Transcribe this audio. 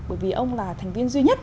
bởi vì ông là thành viên duy nhất